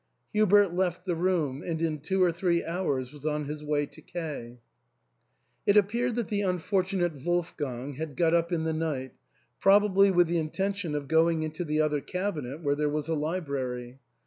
Hubert left the room, and in two or three hours was on his way to K . It appeared that the unfortunate Wolfgang had got up in the night, probably with the intention of going into the other cabinet where there was a libraiy.